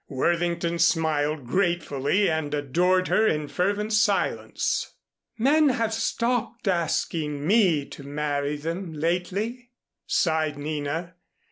Worthington smiled gratefully and adored her in fervent silence. "Men have stopped asking me to marry them lately," sighed Nina.